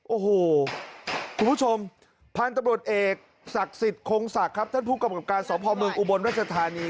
โอ้โหคุณผู้ชมพันธุ์ตำรวจเอกศักดิ์สิทธิ์คงศักดิ์ครับท่านผู้กำกับการสอบภอมเมืองอุบลรัชธานี